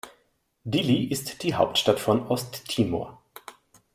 Dili ist die Hauptstadt von Osttimor.